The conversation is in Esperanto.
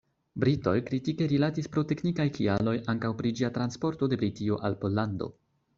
Britoj kritike rilatis pro teknikaj kialoj ankaŭ pri ĝia transporto de Britio al Pollando.